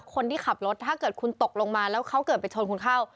คนที่ขับรถถ้าเกิดคุณตกลงมาแล้วเขาเกิดไปชนคุณเข้า